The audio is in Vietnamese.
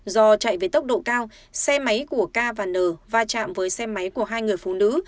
do chạy với tốc độ cao xe máy của k và n va chạm với xe máy của hai người phụ nữ